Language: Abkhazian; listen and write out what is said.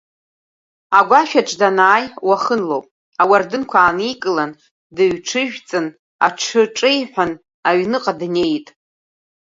Агәашә аҿы данааи, уахынлоуп, ауардынқәа ааникылан, дыҩҽыжәҵын аҽы ҿеиҳәан, аҩныҟа днеит.